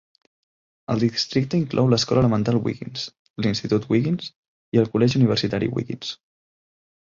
El districte inclou l'escola elemental Wiggins, l'Institut Wiggins i el Col·legi Universitari Wiggins.